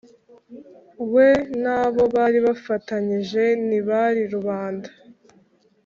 we n' abo bari bafatanyije ntibari rubanda.